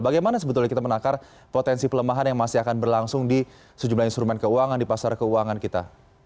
bagaimana sebetulnya kita menakar potensi pelemahan yang masih akan berlangsung di sejumlah instrumen keuangan di pasar keuangan kita